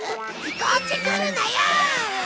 こっち来るなよ！